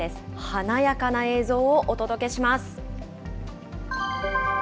華やかな映像をお届けします。